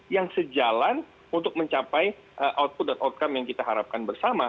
yang sejalan untuk mencapai output dan outcome yang kita harapkan bersama